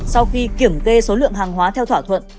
sau khi kiểm kê số lượng hàng hóa theo thỏa thuận